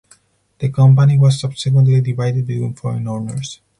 The company was subsequently divided between foreign owners.